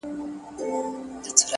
عثمان خيالي لکـــــه بنګړے د شيشې